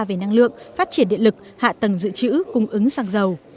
về năng lượng phát triển điện lực hạ tầng dự trữ cung ứng xăng dầu